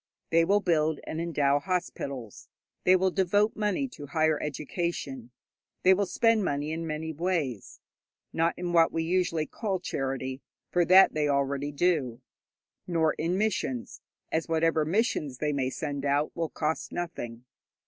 They will build and endow hospitals, they will devote money to higher education, they will spend money in many ways, not in what we usually call charity, for that they already do, nor in missions, as whatever missions they may send out will cost nothing.